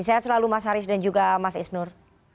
sehat selalu mas haris dan juga mas isnur